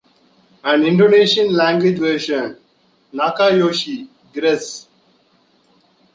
An Indonesian language version, Nakayoshi: Gress!